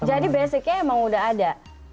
jadi basicnya emang udah ada